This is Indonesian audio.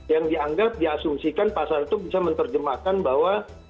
yang dianggap diasumsikan pasal itu bisa menerjemahkan bahwa